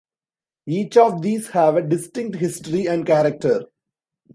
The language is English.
Each of these have a distinct history and character.